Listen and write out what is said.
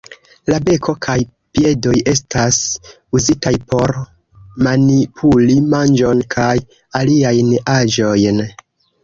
La beko kaj piedoj estas uzitaj por manipuli manĝon kaj aliajn aĵojn.